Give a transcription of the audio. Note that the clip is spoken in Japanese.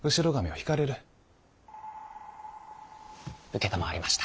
承りました。